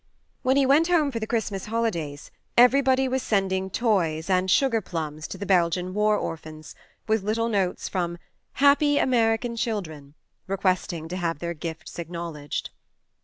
When he went home for the Christ mas holidays everybody was sending toys and sugar plums to the Belgian 38 THE MARNE war orphans, with little notes from " Happy American children " request ing to have their gifts acknowledged.